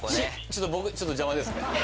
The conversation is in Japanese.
ちょっと僕ちょっと邪魔ですね。